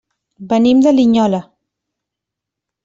Venim de Linyola.